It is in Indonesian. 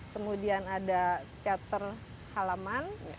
kemudian ada teater halaman